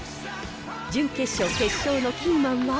準決勝、決勝のキーマンは？